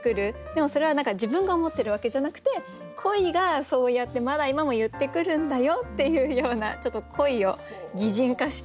でもそれは自分が思ってるわけじゃなくて恋がそうやってまだ今も言ってくるんだよっていうようなちょっと恋を擬人化してうたってみました。